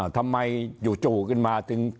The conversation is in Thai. ทำไมอยู่จู่ขึ้นมาถึง